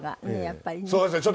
やっぱりね。